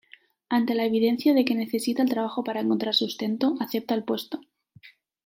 Ante la evidencia de que necesita el trabajo para encontrar sustento, acepta el puesto.